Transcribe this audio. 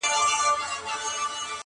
کمی نه وو د طلا د جواهرو-